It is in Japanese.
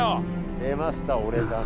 出ました「俺ダメ」。